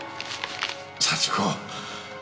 幸子。